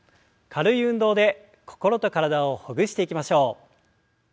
軽い運動で心と体をほぐしていきましょう。